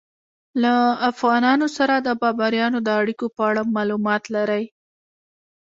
له افغانانو سره د بابریانو د اړیکو په اړه معلومات لرئ؟